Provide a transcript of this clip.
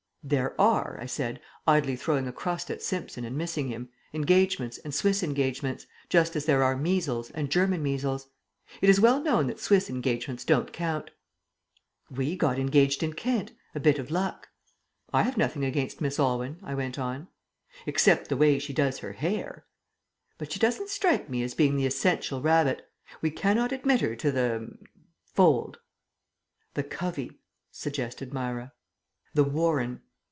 "There are," I said, idly throwing a crust at Simpson and missing him, "engagements and Swiss engagements just as there are measles and German measles. It is well known that Swiss engagements don't count." "We got engaged in Kent. A bit of luck." "I have nothing against Miss Aylwyn " I went on. "Except the way she does her hair." " but she doesn't strike me as being the essential Rabbit. We cannot admit her to the er fold." "The covey," suggested Myra. "The warren.